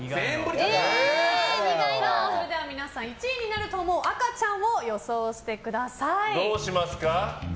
それでは、皆さん１位になると思う赤ちゃんをどうしますか？